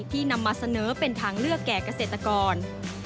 นำมาเสนอเป็นทางเลือกแก่เกษตรกร